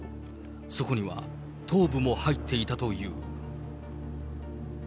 そこには頭部も入っていたという。